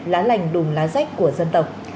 lá lành đùm lá rách của dân tộc